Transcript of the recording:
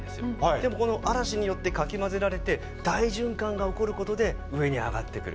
でもこの嵐によってかき混ぜられて大循環が起こることで上に上がってくる。